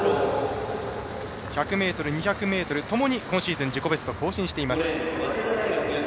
１００ｍ、２００ｍともに今シーズン、自己ベスト更新しています。